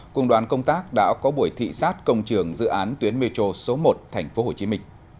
cùng đoàn công tác đã có buổi thị sát công trường dự án tuyến metro số một tp hcm